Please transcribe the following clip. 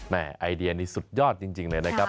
ไอเดียนี้สุดยอดจริงเลยนะครับ